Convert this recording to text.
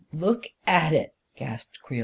. "Look at it!" gasped Creel.